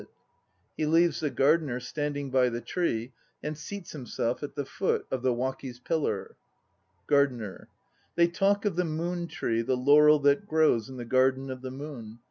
" 134 AYA NO TSUZUMI 135 (He leaves the GARDENER standing by the tree and seats himself at the foot of the "WakVs pillar. 99 ) GARDENER. They talk of the moon tree, the laurel that grows in the Garden of the Moon.